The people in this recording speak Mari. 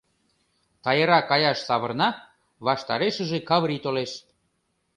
Тайра каяш савырна — ваштарешыже Каврий толеш.